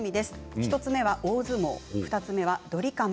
１つ目は大相撲、２つ目はドリカム。